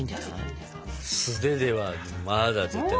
素手ではまだ絶対無理。